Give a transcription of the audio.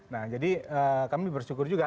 nah jadi kami bersyukur juga